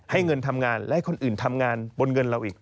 เงินทำงานและให้คนอื่นทำงานบนเงินเราอีก